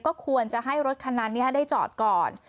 ก็ควรจะให้รถคันนั้นได้จอดก่อน